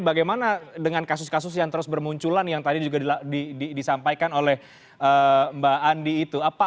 bagaimana dengan kasus kasus yang terus bermunculan yang tadi juga disampaikan oleh mbak andi itu